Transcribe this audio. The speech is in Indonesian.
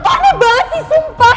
kok aneh banget sih sumpah